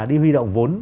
đi huy động vốn